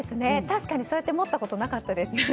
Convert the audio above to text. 確かに、そうやって持ったことなかったです。